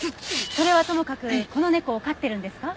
それはともかくこの猫を飼ってるんですか？